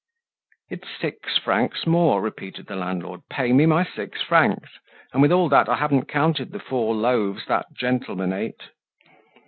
"It's six francs more," repeated the landlord. "Pay me my six francs; and with all that I haven't counted the four loaves that gentleman ate!"